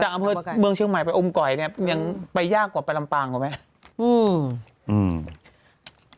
แต่อำเภอเมืองเชียงใหม่ไปอมก่อยเนี่ยยังไปยากกว่าไปลำปางกว่าไหมอืม